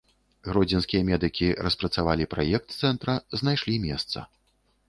Гродзенскія медыкі распрацавалі праект цэнтра, знайшлі месца.